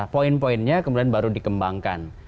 poin poinnya kemudian baru dikembangkan